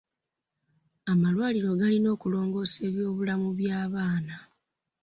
Amalwaliro galina okulongoosa eby'obulamu by'abaana.